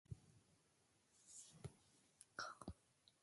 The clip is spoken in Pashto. نوبت له واکه ووت.